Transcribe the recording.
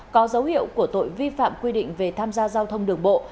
có dấu hiệu của tội vi phạm quy định về tham gia giao thông đường bộ